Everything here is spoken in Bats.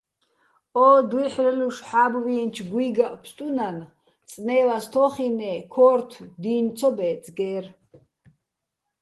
ო დუჲჰ̦რელუშ ჰ̦ა́ბვიენჩო̆ გუ́ჲგაჸო̆ ფსტუნან წნე́ვას თო́ხინე́ ქო́რთო̆ დი́ნ ცო ბე́წგე́რ.